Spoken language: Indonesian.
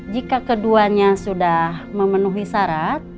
jika keduanya sudah memenuhi syarat